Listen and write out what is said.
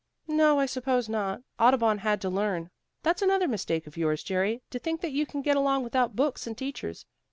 "No, I suppose not. Audubon had to learn. That's another mistake of yours, Jerry, to think that you can get along without books and teachers.